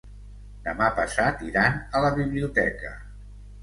Demà passat iran a la biblioteca.